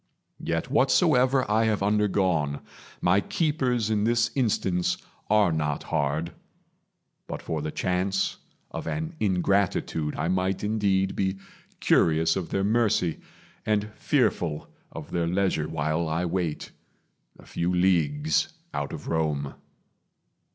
Yet whatsoever I have undergone, My keepers in this instance are not hard. But for the chance of an ingratitude, I might indeed be curious of their mercy, And fearful of their leisure while I wait, A few leagues out of Rome.